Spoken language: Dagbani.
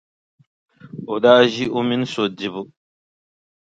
O daa ʒi o mini so dibu.